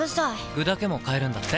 具だけも買えるんだって。